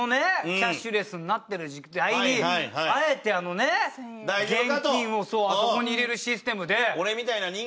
キャッシュレスになってる時代にあえてあのね現金をあそこに入れるシステムで。